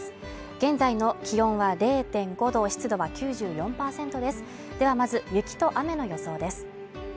現在の気温は０．５度湿度は９４％ですではまず雪と雨の予想です